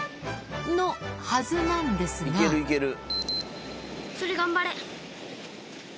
のはずなんですがそれ頑張れ。